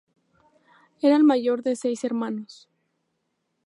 Era el mayor de seis hermanos.